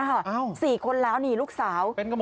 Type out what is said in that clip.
เอ้าเป็นกันหมดเลยเหรอสี่คนแล้วนี่ลูกสาว